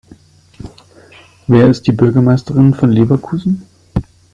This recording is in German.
Wer ist die Bürgermeisterin von Leverkusen?